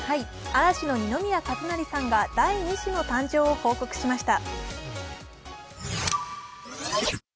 嵐の二宮和也さんが第２子の誕生を報告しました。